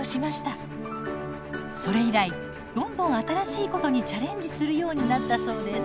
それ以来どんどん新しいことにチャレンジするようになったそうです。